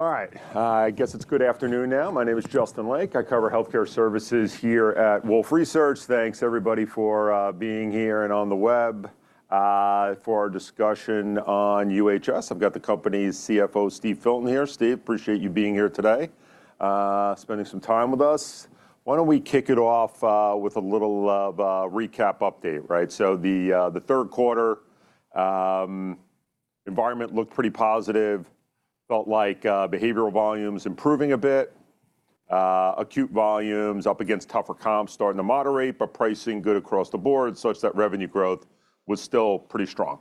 All right, I guess it's good afternoon now. My name is Justin Lake. I cover healthcare services here at Wolfe Research. Thanks, everybody, for being here and on the web for our discussion on UHS. I've got the company's CFO, Steve Filton, here. Steve, appreciate you being here today, spending some time with us. Why don't we kick it off with a little recap update, right? So the third quarter environment looked pretty positive. Felt like behavioral volumes improving a bit. Acute volumes up against tougher comps starting to moderate, but pricing good across the Board, such that revenue growth was still pretty strong.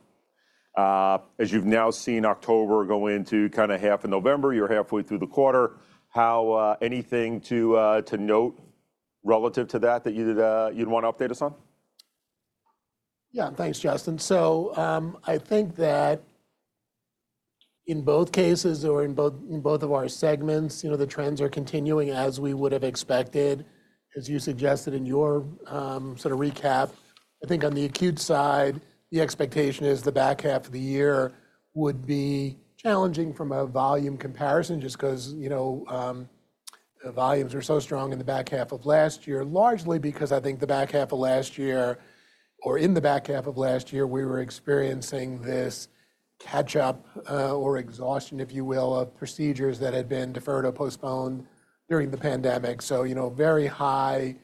As you've now seen October go into kind of half of November, you're halfway through the quarter. How anything to note relative to that that you'd want to update us on? Yeah, thanks, Justin. So I think that in both cases, or in both of our segments, the trends are continuing as we would have expected, as you suggested in your sort of recap. I think on the acute side, the expectation is the back half of the year would be challenging from a volume comparison, just because the volumes were so strong in the back half of last year, largely because I think in the back half of last year we were experiencing this catch-up or exhaustion, if you will, of procedures that had been deferred or postponed during the pandemic. So very high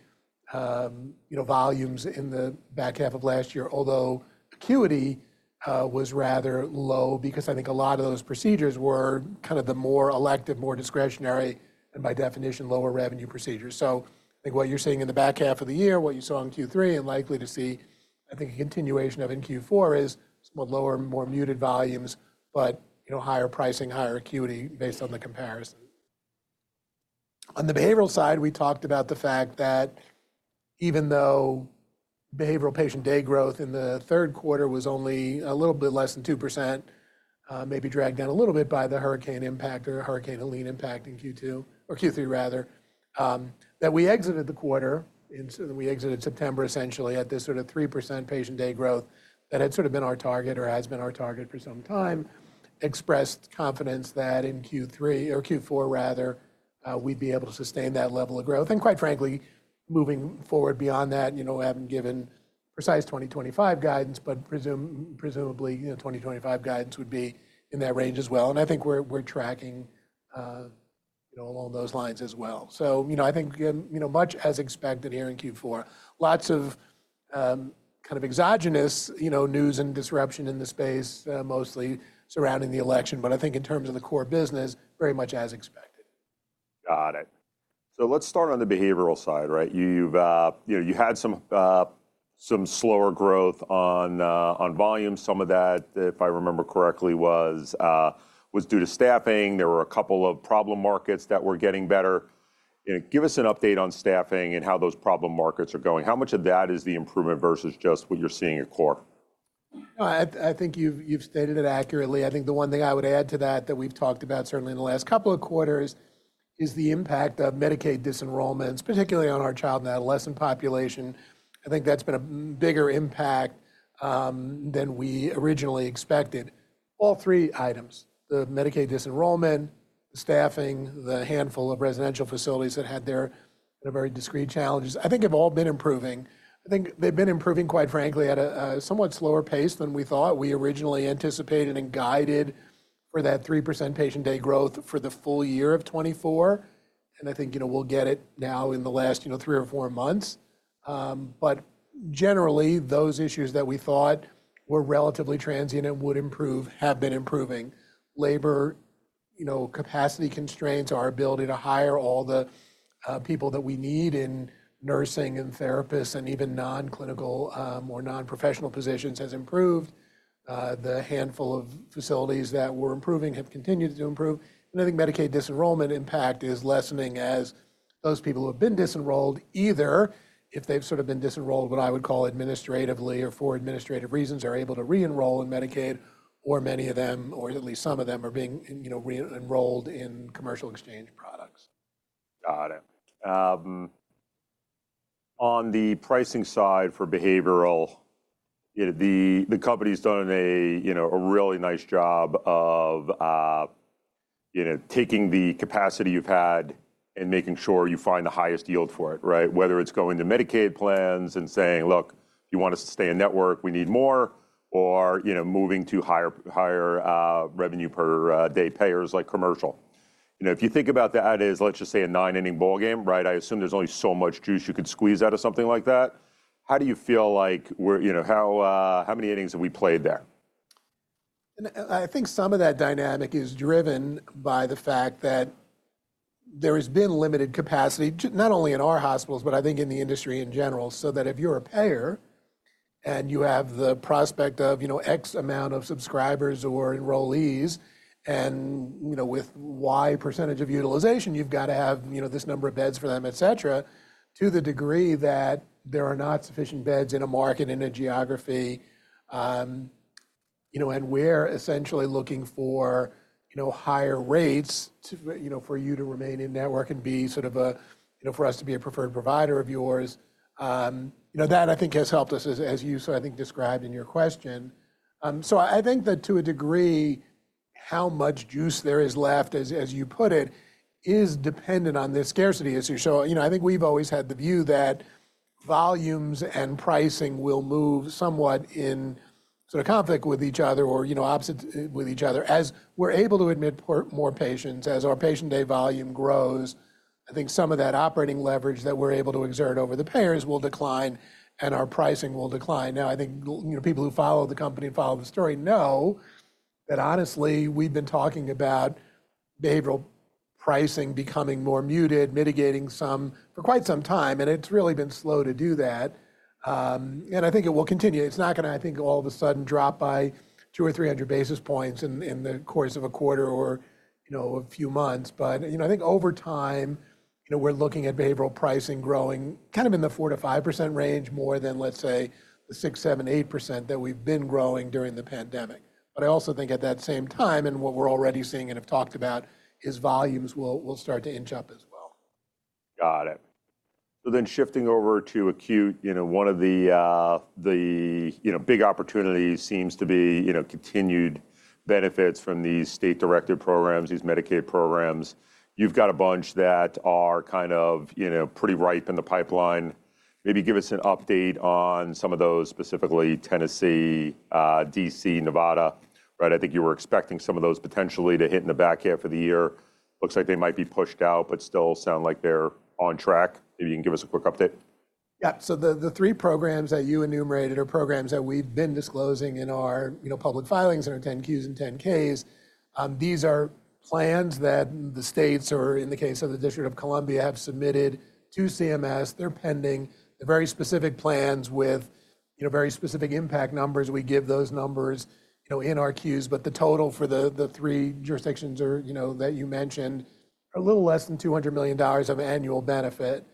volumes in the back half of last year, although acuity was rather low because I think a lot of those procedures were kind of the more elective, more discretionary, and by definition, lower revenue procedures. So I think what you're seeing in the back half of the year, what you saw in Q3, and likely to see, I think, a continuation of in Q4 is more lower, more muted volumes, but higher pricing, higher acuity based on the comparison. On the behavioral side, we talked about the fact that even though behavioral patient day growth in the third quarter was only a little bit less than 2%, maybe dragged down a little bit by the Hurricane Helene impact in Q2, or Q3, rather, that we exited the quarter, and we exited September essentially at this sort of 3% patient day growth that had sort of been our target or has been our target for some time. Expressed confidence that in Q3 or Q4, rather, we'd be able to sustain that level of growth. Quite frankly, moving forward beyond that, having given precise 2025 guidance, but presumably 2025 guidance would be in that range as well. I think we're tracking along those lines as well. I think, much as expected here in Q4, lots of kind of exogenous news and disruption in the space, mostly surrounding the election, but I think in terms of the core business, very much as expected. Got it. So let's start on the behavioral side, right? You had some slower growth on volume. Some of that, if I remember correctly, was due to staffing. There were a couple of problem markets that were getting better. Give us an update on staffing and how those problem markets are going. How much of that is the improvement versus just what you're seeing at core? I think you've stated it accurately. I think the one thing I would add to that that we've talked about certainly in the last couple of quarters is the impact of Medicaid disenrollments, particularly on our child and adolescent population. I think that's been a bigger impact than we originally expected. All three items, the Medicaid disenrollment, the staffing, the handful of residential facilities that had their very discrete challenges, I think have all been improving. I think they've been improving, quite frankly, at a somewhat slower pace than we thought. We originally anticipated and guided for that 3% patient day growth for the full year of 2024. And I think we'll get it now in the last three or four months. But generally, those issues that we thought were relatively transient and would improve have been improving. Labor capacity constraints, our ability to hire all the people that we need in nursing and therapists and even non-clinical or non-professional positions has improved. The handful of facilities that were improving have continued to improve. I think Medicaid disenrollment impact is lessening as those people who have been disenrolled, either if they've sort of been disenrolled, what I would call administratively or for administrative reasons, are able to re-enroll in Medicaid, or many of them, or at least some of them, are being re-enrolled in commercial exchange products. Got it. On the pricing side for behavioral, the company's done a really nice job of taking the capacity you've had and making sure you find the highest yield for it, right? Whether it's going to Medicaid plans and saying, "Look, if you want us to stay in network, we need more," or moving to higher revenue per day payers like commercial. If you think about that as, let's just say, a nine-inning ballgame, right? I assume there's only so much juice you could squeeze out of something like that. How do you feel like how many innings have we played there? I think some of that dynamic is driven by the fact that there has been limited capacity, not only in our hospitals, but I think in the industry in general, so that if you're a payer and you have the prospect of X amount of subscribers or enrollees and with Y percentage of utilization, you've got to have this number of beds for them, etc, to the degree that there are not sufficient beds in a market, in a geography, and we're essentially looking for higher rates for you to remain in network and be sort of a for us to be a preferred provider of yours. That, I think, has helped us, as you sort of, I think, described in your question. So I think that to a degree, how much juice there is left, as you put it, is dependent on this scarcity issue. So I think we've always had the view that volumes and pricing will move somewhat in sort of conflict with each other or opposite with each other. As we're able to admit more patients, as our patient day volume grows, I think some of that operating leverage that we're able to exert over the payers will decline and our pricing will decline. Now, I think people who follow the company and follow the story know that honestly, we've been talking about behavioral pricing becoming more muted, mitigating some for quite some time, and it's really been slow to do that. And I think it will continue. It's not going to, I think, all of a sudden drop by 200 or 300 basis points in the course of a quarter or a few months. But I think over time, we're looking at behavioral pricing growing kind of in the 4%-5% range more than, let's say, the 6%, 7%, 8% that we've been growing during the pandemic. But I also think at that same time, and what we're already seeing and have talked about, is volumes will start to inch up as well. Got it. So then shifting over to acute, one of the big opportunities seems to be continued benefits from these state-directed programs, these Medicaid programs. You've got a bunch that are kind of pretty ripe in the pipeline. Maybe give us an update on some of those, specifically Tennessee, DC, Nevada, right? I think you were expecting some of those potentially to hit in the back half of the year. Looks like they might be pushed out, but still sound like they're on track. Maybe you can give us a quick update. Yeah. So the three programs that you enumerated are programs that we've been disclosing in our public filings in our 10-Qs and 10-Ks. These are plans that the states, or in the case of the District of Columbia, have submitted to CMS. They're pending. They're very specific plans with very specific impact numbers. We give those numbers in our Qs, but the total for the three jurisdictions that you mentioned are a little less than $200 million of annual benefit.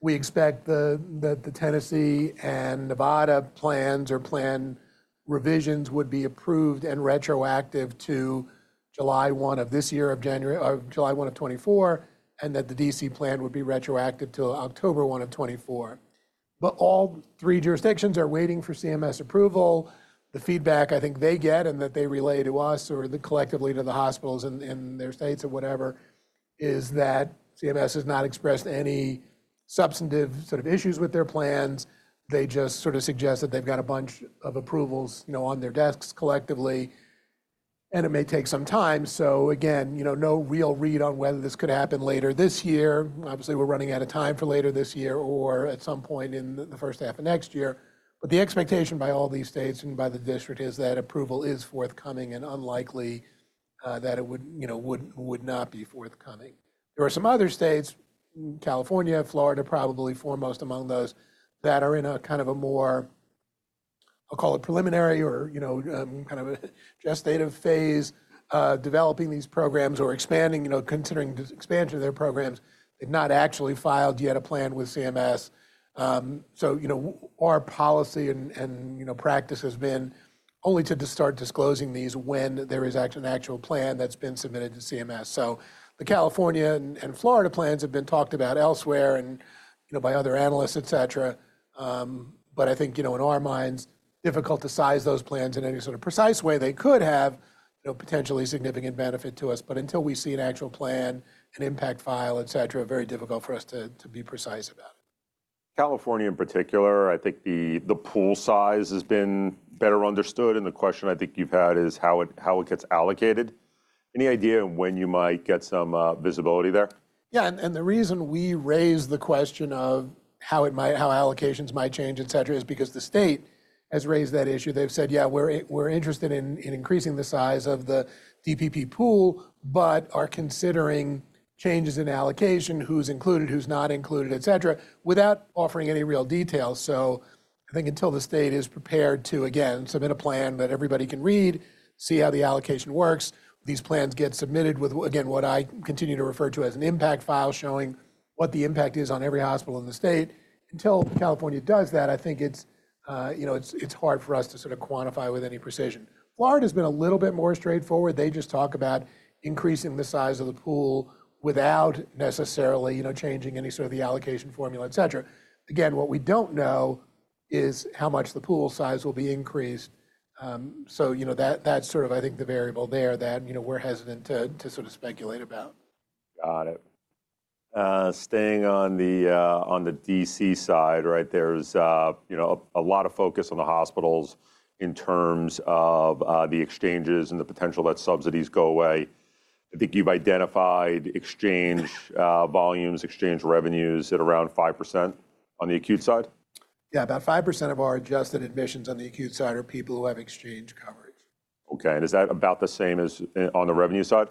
We expect that the Tennessee and Nevada plans or plan revisions would be approved and retroactive to July 1 of this year, of July 1 of 2024, and that the DC plan would be retroactive to October 1 of 2024. But all three jurisdictions are waiting for CMS approval. The feedback I think they get and that they relay to us, or collectively to the hospitals in their states or whatever, is that CMS has not expressed any substantive sort of issues with their plans. They just sort of suggest that they've got a bunch of approvals on their desks collectively, and it may take some time. So again, no real read on whether this could happen later this year. Obviously, we're running out of time for later this year or at some point in the first half of next year. But the expectation by all these states and by the District is that approval is forthcoming and unlikely that it would not be forthcoming. There are some other states, California, Florida, probably foremost among those, that are in a kind of a more, I'll call it preliminary or kind of a gestative phase developing these programs or considering expansion of their programs. They've not actually filed yet a plan with CMS. So our policy and practice has been only to start disclosing these when there is an actual plan that's been submitted to CMS. So the California and Florida plans have been talked about elsewhere and by other analysts, etc. But I think in our minds, difficult to size those plans in any sort of precise way. They could have potentially significant benefit to us, but until we see an actual plan, an impact file, etc, very difficult for us to be precise about it. California in particular, I think the pool size has been better understood. And the question I think you've had is how it gets allocated. Any idea on when you might get some visibility there? Yeah. And the reason we raised the question of how allocations might change, etc, is because the state has raised that issue. They've said, "Yeah, we're interested in increasing the size of the DPP pool, but are considering changes in allocation, who's included, who's not included, etc," without offering any real details. So I think until the state is prepared to, again, submit a plan that everybody can read, see how the allocation works, these plans get submitted with, again, what I continue to refer to as an impact file showing what the impact is on every hospital in the state. Until California does that, I think it's hard for us to sort of quantify with any precision. Florida has been a little bit more straightforward. They just talk about increasing the size of the pool without necessarily changing any sort of the allocation formula, etc. Again, what we don't know is how much the pool size will be increased. So that's sort of, I think, the variable there that we're hesitant to sort of speculate about. Got it. Staying on the DC side, right, there's a lot of focus on the hospitals in terms of the exchanges and the potential that subsidies go away. I think you've identified exchange volumes, exchange revenues at around 5% on the acute side. Yeah, about 5% of our adjusted admissions on the acute side are people who have exchange coverage. Okay. And is that about the same as on the revenue side?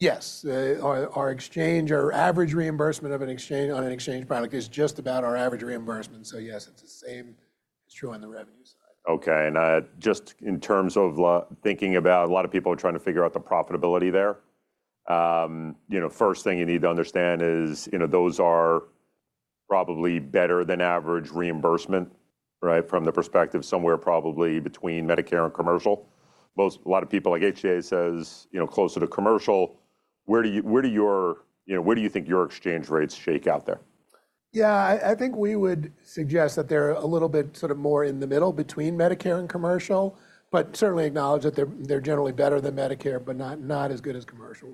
Yes. Our exchange, our average reimbursement of an exchange on an exchange product is just about our average reimbursement. So yes, it's the same. It's true on the revenue side. Okay, and just in terms of thinking about a lot of people are trying to figure out the profitability there, first thing you need to understand is those are probably better than average reimbursement, right, from the perspective somewhere probably between Medicare and commercial. A lot of people like HCA says closer to commercial. Where do you think your exchange rates shake out there? Yeah, I think we would suggest that they're a little bit sort of more in the middle between Medicare and commercial, but certainly acknowledge that they're generally better than Medicare, but not as good as commercial,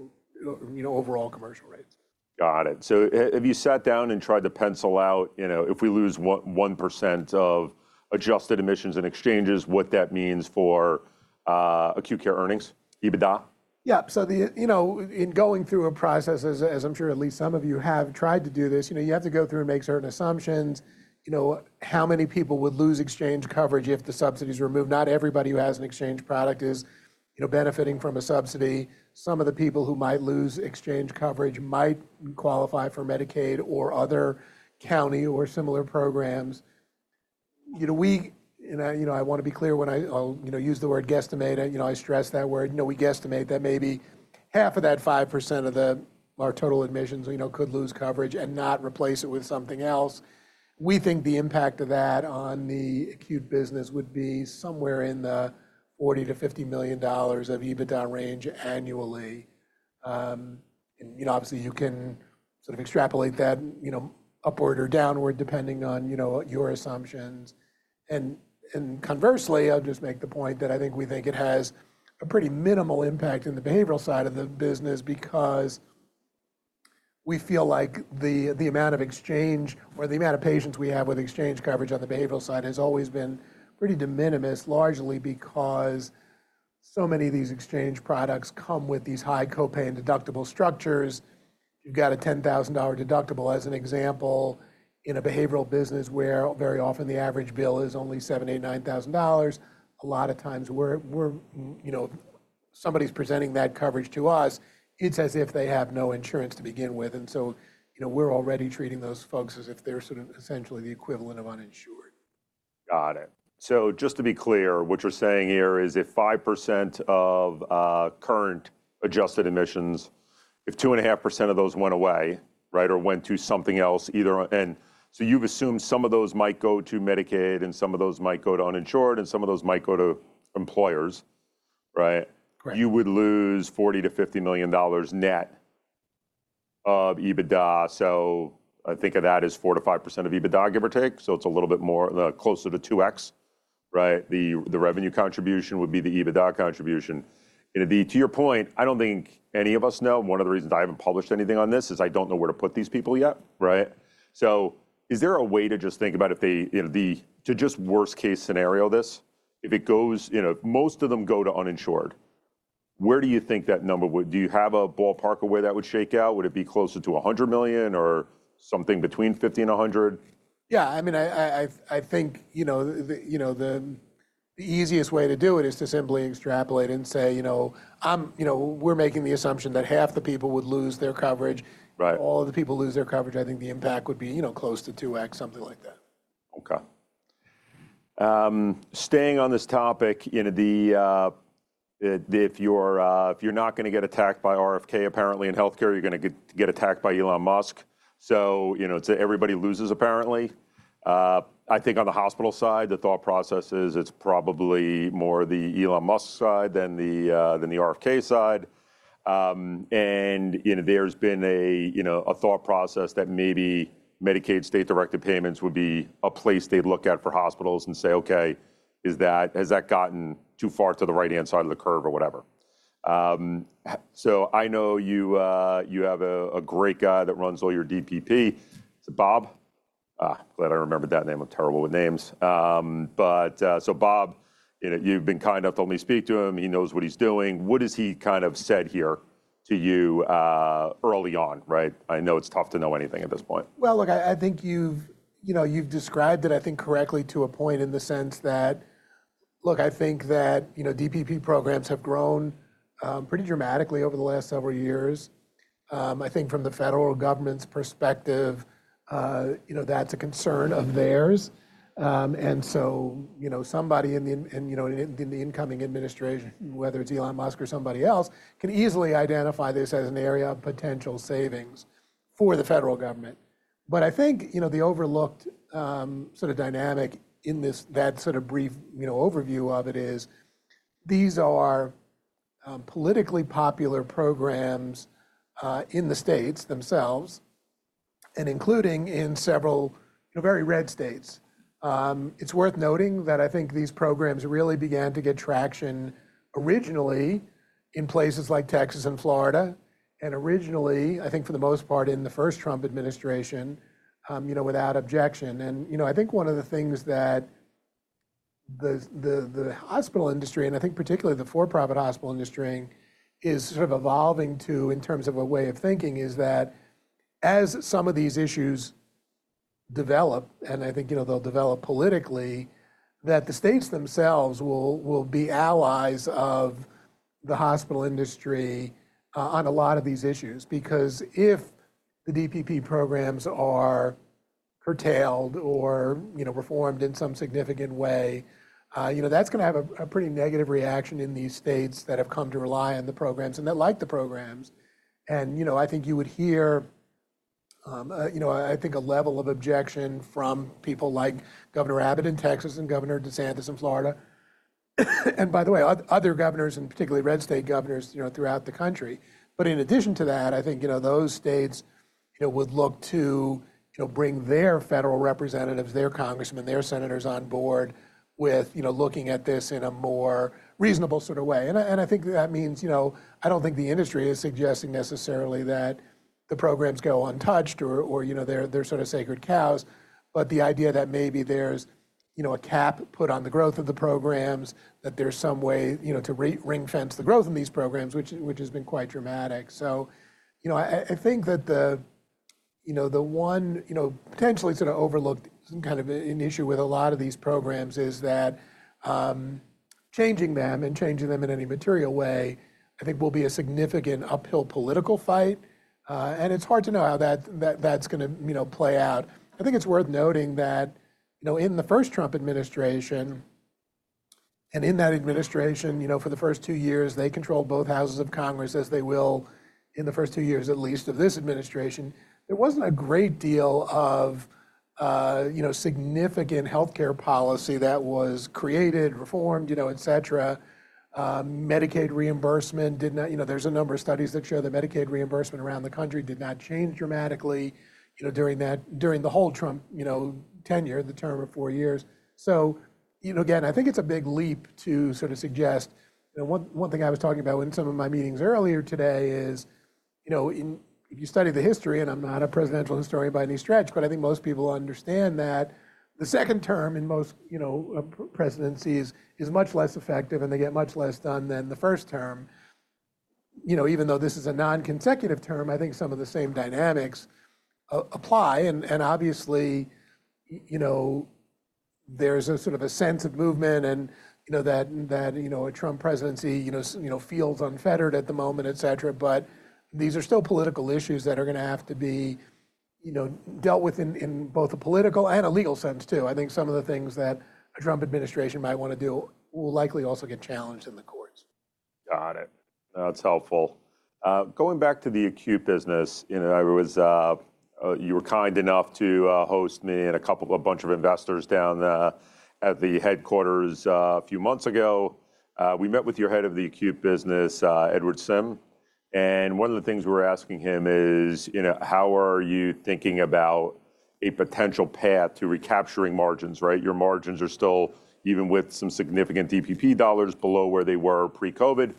overall commercial rates. Got it. So have you sat down and tried to pencil out if we lose 1% of adjusted admissions and exchanges, what that means for acute care earnings, EBITDA? Yeah. So in going through a process, as I'm sure at least some of you have tried to do this, you have to go through and make certain assumptions. How many people would lose exchange coverage if the subsidies were removed? Not everybody who has an exchange product is benefiting from a subsidy. Some of the people who might lose exchange coverage might qualify for Medicaid or other county or similar programs. I want to be clear when I use the word guesstimate. I stress that word. We guesstimate that maybe 2.5% of our total admissions could lose coverage and not replace it with something else. We think the impact of that on the acute business would be somewhere in the $40 million-$50 million of EBITDA range annually. And obviously, you can sort of extrapolate that upward or downward depending on your assumptions. Conversely, I'll just make the point that I think we think it has a pretty minimal impact in the behavioral side of the business because we feel like the amount of exchange or the amount of patients we have with exchange coverage on the behavioral side has always been pretty de minimis, largely because so many of these exchange products come with these high copay and deductible structures. You've got a $10,000 deductible, as an example, in a behavioral business where very often the average bill is only $7,000, $8,000, $9,000. A lot of times when somebody's presenting that coverage to us, it's as if they have no insurance to begin with. So we're already treating those folks as if they're sort of essentially the equivalent of uninsured. Got it. So just to be clear, what you're saying here is if 5% of current adjusted admissions, if 2.5% of those went away, right, or went to something else, either and so you've assumed some of those might go to Medicaid and some of those might go to uninsured and some of those might go to employers, right? Correct. You would lose $40 million-$50 million net of EBITDA. So I think of that as 4%-5% of EBITDA, give or take. So it's a little bit more closer to 2x, right? The revenue contribution would be the EBITDA contribution. And to your point, I don't think any of us know. One of the reasons I haven't published anything on this is I don't know where to put these people yet, right? So is there a way to just think about if they to just worst-case scenario this, if it goes most of them go to uninsured, where do you think that number would? Do you have a ballpark of where that would shake out? Would it be closer to $100 million or something between $50 million and $100 million? Yeah. I mean, I think the easiest way to do it is to simply extrapolate and say, "We're making the assumption that half the people would lose their coverage." If all of the people lose their coverage, I think the impact would be close to 2x, something like that. Okay. Staying on this topic, if you're not going to get attacked by RFK, apparently in healthcare, you're going to get attacked by Elon Musk. So it's everybody loses, apparently. I think on the hospital side, the thought process is it's probably more the Elon Musk side than the RFK side. And there's been a thought process that maybe Medicaid state-directed payments would be a place they'd look at for hospitals and say, "Okay, has that gotten too far to the right-hand side of the curve or whatever?" So I know you have a great guy that runs all your DPP. It's Bob. Glad I remembered that name. I'm terrible with names. But so Bob, you've been kind enough to let me speak to him. He knows what he's doing. What has he kind of said here to you early on, right? I know it's tough to know anything at this point. Look, I think you've described it, I think, correctly to a point in the sense that, look, I think that DPP programs have grown pretty dramatically over the last several years. I think from the federal government's perspective, that's a concern of theirs. And so somebody in the incoming administration, whether it's Elon Musk or somebody else, can easily identify this as an area of potential savings for the federal government. But I think the overlooked sort of dynamic in that sort of brief overview of it is these are politically popular programs in the states themselves, and including in several very red states. It's worth noting that I think these programs really began to get traction originally in places like Texas and Florida, and originally, I think for the most part in the first Trump administration, without objection. I think one of the things that the hospital industry, and I think particularly the for-profit hospital industry, is sort of evolving to in terms of a way of thinking is that as some of these issues develop, and I think they'll develop politically, that the states themselves will be allies of the hospital industry on a lot of these issues. Because if the DPP programs are curtailed or reformed in some significant way, that's going to have a pretty negative reaction in these states that have come to rely on the programs and that like the programs. I think you would hear, I think, a level of objection from people like Governor Abbott in Texas and Governor DeSantis in Florida, and by the way, other governors and particularly red state governors throughout the country. But in addition to that, I think those states would look to bring their federal representatives, their congressmen, their senators on board with looking at this in a more reasonable sort of way. And I think that means I don't think the industry is suggesting necessarily that the programs go untouched or they're sort of sacred cows. But the idea that maybe there's a cap put on the growth of the programs, that there's some way to ring-fence the growth of these programs, which has been quite dramatic. So I think that the one potentially sort of overlooked kind of an issue with a lot of these programs is that changing them and changing them in any material way, I think, will be a significant uphill political fight. And it's hard to know how that's going to play out. I think it's worth noting that in the first Trump administration and in that administration, for the first two years, they controlled both houses of Congress, as they will in the first two years at least of this administration. There wasn't a great deal of significant healthcare policy that was created, reformed, etc. Medicaid reimbursement did not. There's a number of studies that show that Medicaid reimbursement around the country did not change dramatically during the whole Trump tenure, the term of four years. So again, I think it's a big leap to sort of suggest one thing I was talking about in some of my meetings earlier today is if you study the history, and I'm not a presidential historian by any stretch, but I think most people understand that the second term in most presidencies is much less effective, and they get much less done than the first term. Even though this is a non-consecutive term, I think some of the same dynamics apply. And obviously, there's a sort of a sense of movement and that a Trump presidency feels unfettered at the moment, etc. But these are still political issues that are going to have to be dealt with in both a political and a legal sense, too. I think some of the things that a Trump administration might want to do will likely also get challenged in the courts. Got it. That's helpful. Going back to the acute business, you were kind enough to host me and a bunch of investors down at the headquarters a few months ago. We met with your head of the acute business, Edward Sim, and one of the things we're asking him is, how are you thinking about a potential path to recapturing margins, right? Your margins are still, even with some significant DPP dollars, below where they were pre-COVID.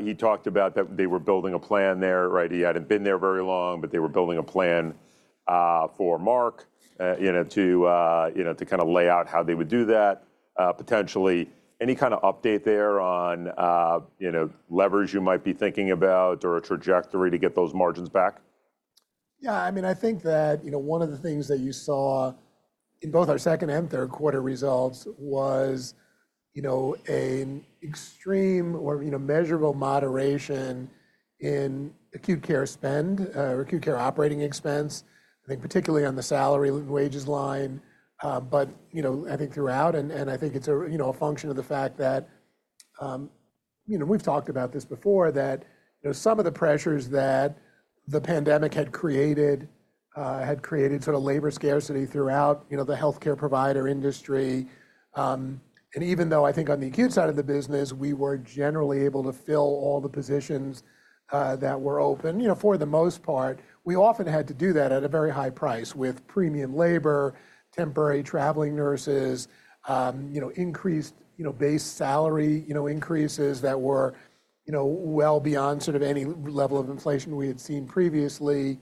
He talked about that they were building a plan there, right? He hadn't been there very long, but they were building a plan for Marc to kind of lay out how they would do that potentially. Any kind of update there on levers you might be thinking about or a trajectory to get those margins back? Yeah. I mean, I think that one of the things that you saw in both our second and third quarter results was an extreme or measurable moderation in acute care spend or acute care operating expense, I think, particularly on the salary and wages line, but I think throughout, and I think it's a function of the fact that we've talked about this before, that some of the pressures that the pandemic had created sort of labor scarcity throughout the healthcare provider industry. Even though I think on the acute side of the business, we were generally able to fill all the positions that were open for the most part, we often had to do that at a very high price with premium labor, temporary traveling nurses, increased base salary increases that were well beyond sort of any level of inflation we had seen previously,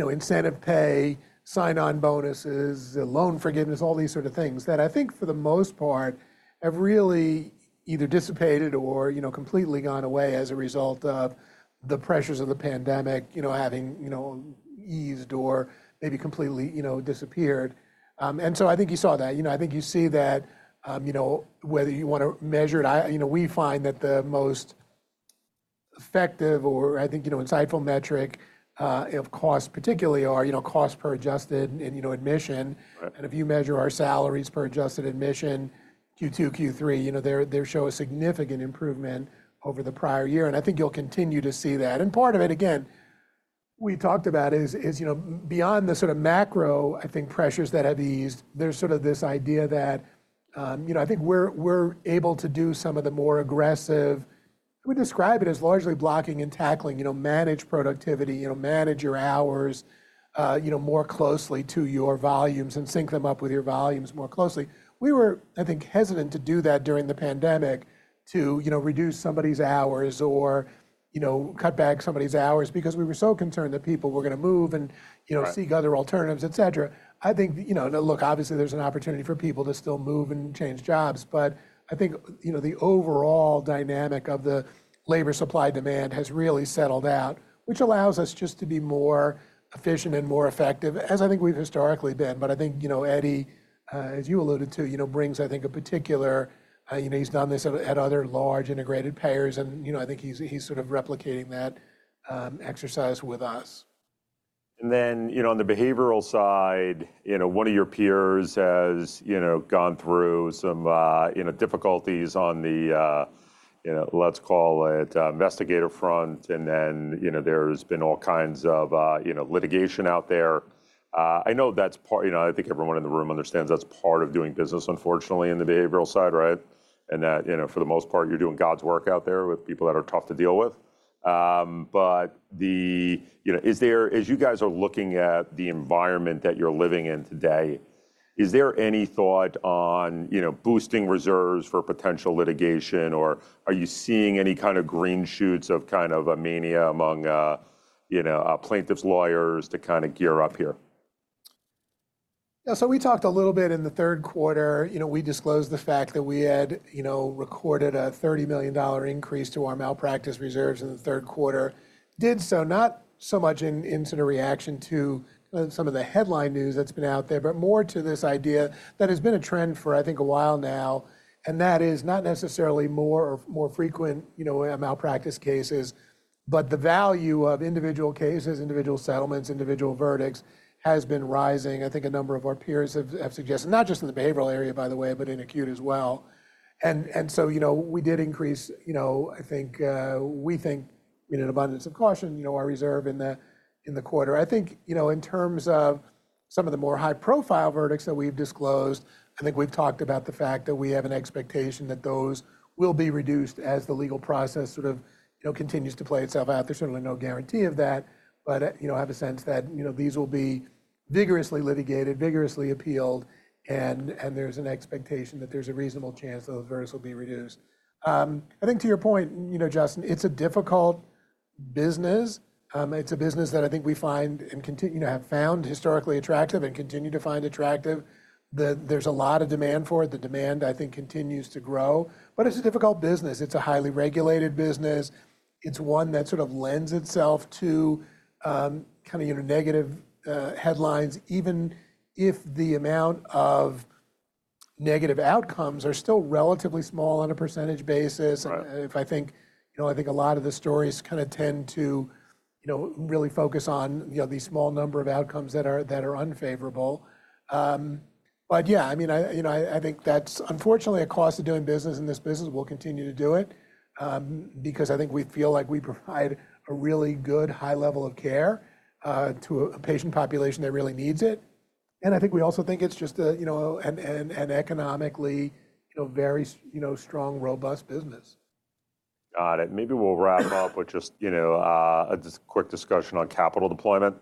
incentive pay, sign-on bonuses, loan forgiveness, all these sort of things that I think for the most part have really either dissipated or completely gone away as a result of the pressures of the pandemic having eased or maybe completely disappeared. So I think you saw that. I think you see that whether you want to measure it. We find that the most effective or I think insightful metric of costs particularly are cost per adjusted admission. And if you measure our salaries per adjusted admission, Q2, Q3, they show a significant improvement over the prior year. And I think you'll continue to see that. And part of it, again, we talked about is beyond the sort of macro, I think, pressures that have eased. There's sort of this idea that I think we're able to do some of the more aggressive we describe it as largely blocking and tackling managed productivity, manage your hours more closely to your volumes and sync them up with your volumes more closely. We were, I think, hesitant to do that during the pandemic to reduce somebody's hours or cut back somebody's hours because we were so concerned that people were going to move and seek other alternatives, etc. I think, look, obviously, there's an opportunity for people to still move and change jobs. But I think the overall dynamic of the labor supply demand has really settled out, which allows us just to be more efficient and more effective, as I think we've historically been. But I think Eddie, as you alluded to, brings, I think, a particular. He's done this at other large integrated payers. And I think he's sort of replicating that exercise with us. And then on the behavioral side, one of your peers has gone through some difficulties on the, let's call it, investigator front. And then there's been all kinds of litigation out there. I know that's part, I think everyone in the room understands that's part of doing business, unfortunately, in the behavioral side, right? And that for the most part, you're doing God's work out there with people that are tough to deal with. But is there, as you guys are looking at the environment that you're living in today, is there any thought on boosting reserves for potential litigation? Or are you seeing any kind of green shoots of kind of a mania among plaintiff's lawyers to kind of gear up here? Yeah. So we talked a little bit in the third quarter. We disclosed the fact that we had recorded a $30 million increase to our malpractice reserves in the third quarter. Did so not so much in sort of reaction to some of the headline news that's been out there, but more to this idea that has been a trend for, I think, a while now. And that is not necessarily more or more frequent malpractice cases, but the value of individual cases, individual settlements, individual verdicts has been rising. I think a number of our peers have suggested, not just in the behavioral area, by the way, but in acute as well. And so we did increase, I think, in abundance of caution, our reserve in the quarter. I think in terms of some of the more high-profile verdicts that we've disclosed, I think we've talked about the fact that we have an expectation that those will be reduced as the legal process sort of continues to play itself out. There's certainly no guarantee of that. But I have a sense that these will be vigorously litigated, vigorously appealed, and there's an expectation that there's a reasonable chance that those verdicts will be reduced. I think to your point, Justin, it's a difficult business. It's a business that I think we find and continue to have found historically attractive and continue to find attractive. There's a lot of demand for it. The demand, I think, continues to grow. But it's a difficult business. It's a highly regulated business. It's one that sort of lends itself to kind of negative headlines, even if the amount of negative outcomes are still relatively small on a percentage basis. And I think a lot of the stories kind of tend to really focus on the small number of outcomes that are unfavorable. But yeah, I mean, I think that's, unfortunately, a cost of doing business. And this business will continue to do it because I think we feel like we provide a really good high level of care to a patient population that really needs it. And I think we also think it's just an economically very strong, robust business. Got it. Maybe we'll wrap up with just a quick discussion on capital deployment,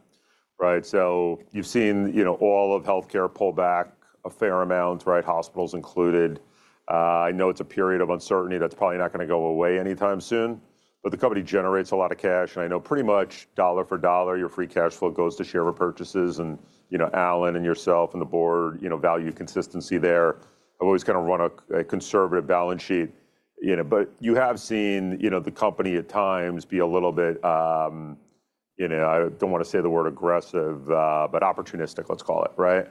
right? So you've seen all of healthcare pull back a fair amount, right? Hospitals included. I know it's a period of uncertainty that's probably not going to go away anytime soon. But the company generates a lot of cash. And I know pretty much dollar for dollar, your free cash flow goes to share repurchases. And Alan and yourself and the board value consistency there. I've always kind of run a conservative balance sheet. But you have seen the company at times be a little bit. I don't want to say the word aggressive, but opportunistic, let's call it, right?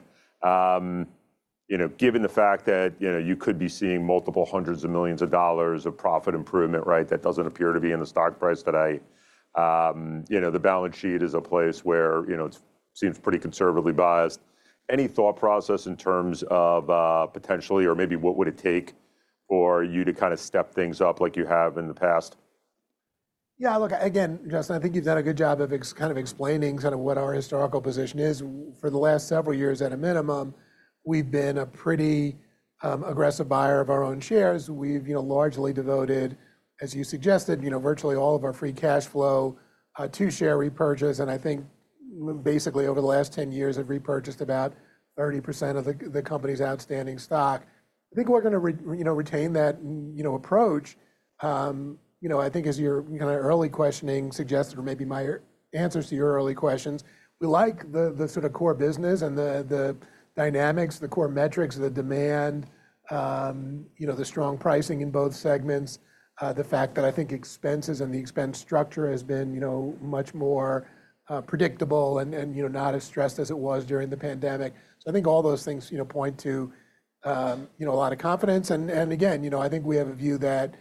Given the fact that you could be seeing multiple hundreds of millions of dollars of profit improvement, right? That doesn't appear to be in the stock price today. The balance sheet is a place where it seems pretty conservatively biased. Any thought process in terms of potentially, or maybe what would it take for you to kind of step things up like you have in the past? Yeah. Look, again, Justin, I think you've done a good job of kind of explaining kind of what our historical position is. For the last several years, at a minimum, we've been a pretty aggressive buyer of our own shares. We've largely devoted, as you suggested, virtually all of our free cash flow to share repurchase. And I think basically over the last 10 years, have repurchased about 30% of the company's outstanding stock. I think we're going to retain that approach. I think as your kind of early questioning suggested, or maybe my answers to your early questions, we like the sort of core business and the dynamics, the core metrics, the demand, the strong pricing in both segments, the fact that I think expenses and the expense structure has been much more predictable and not as stressed as it was during the pandemic. So I think all those things point to a lot of confidence. And again, I think we have a view that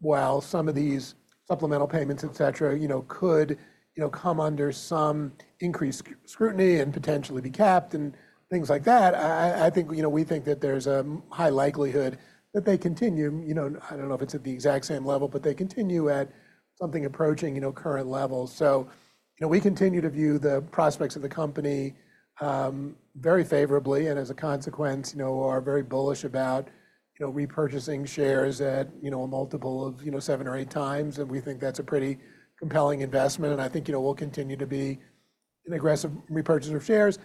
while some of these supplemental payments, etc, could come under some increased scrutiny and potentially be capped and things like that, I think we think that there's a high likelihood that they continue. I don't know if it's at the exact same level, but they continue at something approaching current levels. We continue to view the prospects of the company very favorably and as a consequence, are very bullish about repurchasing shares at a multiple of seven or eight times. We think that's a pretty compelling investment. We will continue to be an aggressive repurchase of shares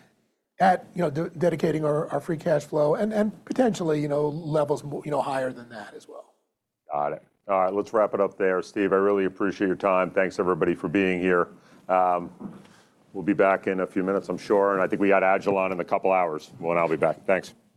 at dedicating our free cash flow and potentially levels higher than that as well. Got it. All right. Let's wrap it up there, Steve. I really appreciate your time. Thanks, everybody, for being here. We'll be back in a few minutes, I'm sure. And I think we got Agilon in a couple of hours. And I'll be back. Thanks.